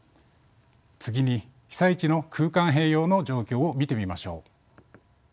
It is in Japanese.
次に被災地の空間変容の状況を見てみましょう。